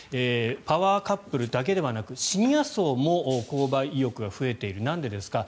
パワーカップルだけではなくシニア層も購買意欲が増えているなんでですか。